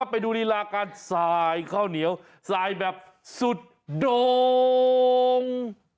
ไปดูรีลาการสายข้าวเหนียวสายแบบสุดโด่ง